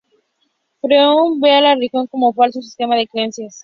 Freud veía la religión como un falso sistema de creencias.